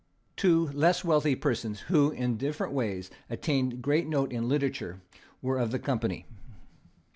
Two less wealthy persons, who, in different ways, attained great note in literature, were of the company.